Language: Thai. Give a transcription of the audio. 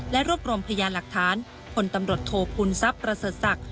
และรวบรวมพยานหลักฐานผลตำรวจโทษภูมิทรัพย์ประเสริฐศักดิ์